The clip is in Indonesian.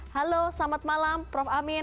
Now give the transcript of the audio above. halo selamat malam prof amin